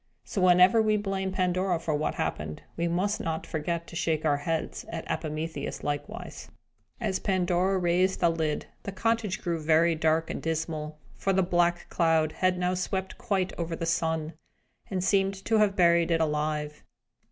So, whenever we blame Pandora for what happened, we must not forget to shake our heads at Epimetheus likewise. As Pandora raised the lid, the cottage grew very dark and dismal; for the black cloud had now swept quite over the sun, and seemed to have buried it alive.